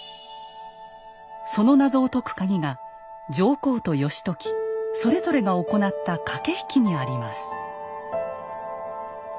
その謎を解くカギが上皇と義時それぞれが行った駆け引きにあります。